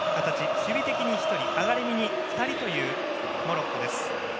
守備的に１人上がりめに２人というモロッコです。